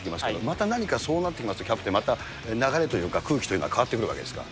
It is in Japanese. また何かそうなってきますと、キャプテン、また流れというか、空気というのは変わってくるわけですか。